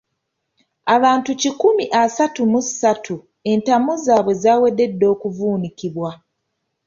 Abantu kikumi asatu mu ssatu entamu zaabwe zaawedde dda okuvuunikibwa.